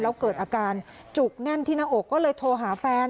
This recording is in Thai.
แล้วเกิดอาการจุกแน่นที่หน้าอกก็เลยโทรหาแฟน